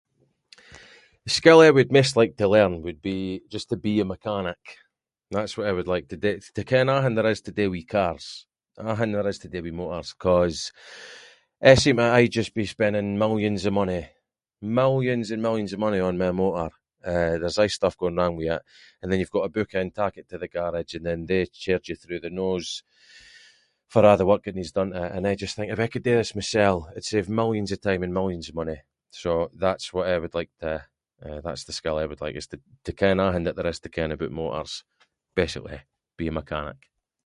The skill I would maist like to learn would be, just to be a mechanic, that’s what I would like to d- to ken athing there is to do with cars, athing there is to do with motors ‘cause I seem to aie just be spending millions of money, millions and millions of money on my motor, and eh, there’s aie stuff going wrong with it, and then you’ve got to book it tak it to the garage, and then they charge you through the nose for a’ the work that needs done to it. And I just think, if I could do this myself, I’d save millions of time and millions of money, so that’s what I would like to- that’s the skill I would like is to- to ken athing that there is to ken aboot motors. Basically, be a mechanic.